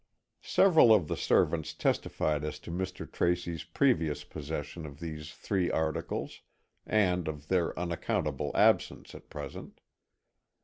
Several of the servants testified as to Mr. Tracy's previous possession of these three articles and of their unaccountable absence at present.